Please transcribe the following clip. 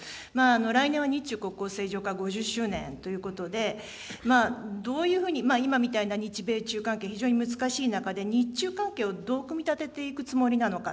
来年は日中国交正常化５０周年ということで、どういうふうに、今みたいな日米中関係、非常に難しい中で、日中関係をどう組み立てていくつもりなのか。